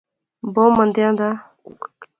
بہوں مندیاں دا